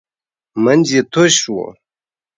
منځ یې تش و .